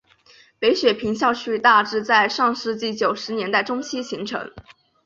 北雪平校区大致在上世纪九十年代中期形成。